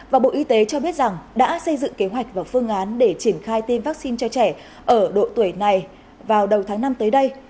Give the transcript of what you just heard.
và bộ y tế cho biết rằng đã xây dựng kế hoạch và phương án để triển khai tiêm vaccine cho trẻ ở độ tuổi này vào đầu tháng năm tới đây